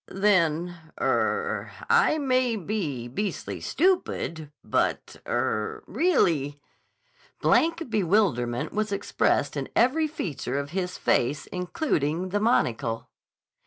"Then—er—I may be beastly stupid, but—er—really—" Blank bewilderment was expressed in every feature of his face including the monocle.